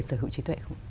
sở hữu trí tuệ không